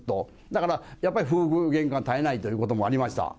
だから、やっぱり夫婦げんかが絶えないということもありました。